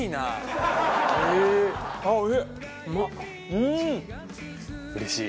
うん！